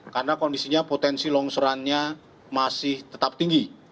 karena kondisinya potensi longsorannya masih tetap tinggi